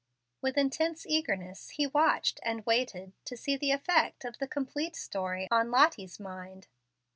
With intense eagerness he watched and waited to see the effect of the complete story on Lottie's mind.